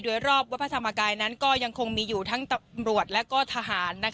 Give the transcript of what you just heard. โดยรอบวัดพระธรรมกายนั้นก็ยังคงมีอยู่ทั้งตำรวจและก็ทหาร